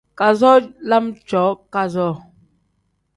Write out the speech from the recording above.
Kazoo lam cooo kazoo.